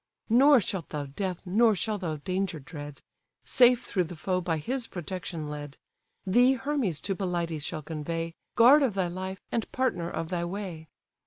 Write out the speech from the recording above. Nor shalt thou death, nor shalt thou danger dread: Safe through the foe by his protection led: Thee Hermes to Pelides shall convey, Guard of thy life, and partner of thy way.